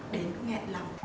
đến nghẹn lòng